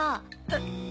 えっ！？